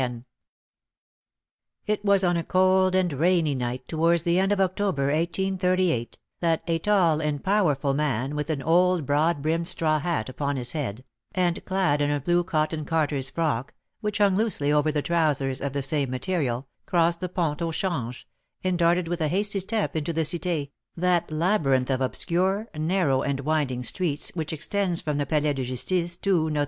It was on a cold and rainy night, towards the end of October, 1838, that a tall and powerful man, with an old broad brimmed straw hat upon his head, and clad in a blue cotton carter's frock, which hung loosely over trousers of the same material, crossed the Pont au Change, and darted with a hasty step into the Cité, that labyrinth of obscure, narrow, and winding streets which extends from the Palais de Justice to Notre Dame.